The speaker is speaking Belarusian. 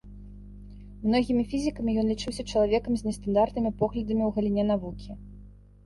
Многімі фізікамі ён лічыўся чалавекам з нестандартнымі поглядамі ў галіне навукі.